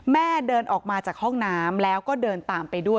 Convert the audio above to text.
เดินออกมาจากห้องน้ำแล้วก็เดินตามไปด้วย